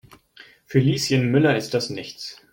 Für Lieschen Müller ist das nichts.